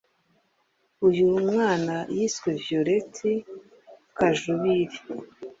Uyu mwana yiswe Violet Kajubiri